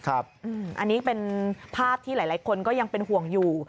อันนี้เป็นภาพที่หลายคนก็ยังเป็นห่วงอยู่